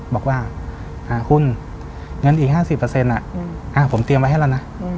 บอกว่าคุณเงินอีก๕๐ผมเตรียมไว้ให้แล้วนะ